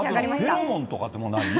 フェロモンとかってない？